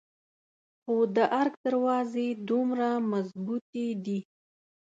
خو د ارګ دروازې دومره مظبوتې دي.